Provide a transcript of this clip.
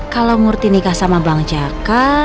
kalau murti nikah sama bang jaka